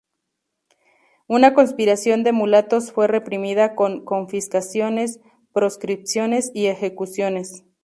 Una conspiración de mulatos fue reprimida con confiscaciones, proscripciones y ejecuciones.